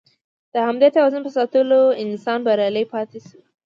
د همدې توازن په ساتلو انسان بریالی پاتې شوی.